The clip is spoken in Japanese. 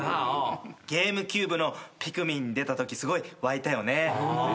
ゲームキューブの『ピクミン』出たときすごい沸いたよね。